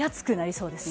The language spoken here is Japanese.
そうですね。